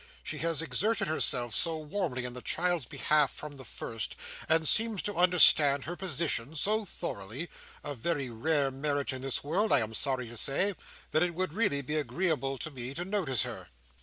She has exerted herself so warmly in the child's behalf from the first, and seems to understand her position so thoroughly (a very rare merit in this world, I am sorry to say), that it would really be agreeable to me to notice her."